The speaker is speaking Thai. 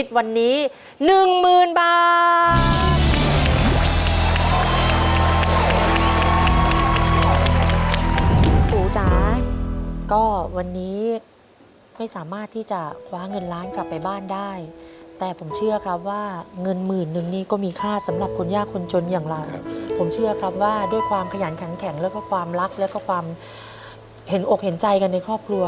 ตัวเลือกที่๔